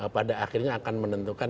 pada akhirnya akan menentukan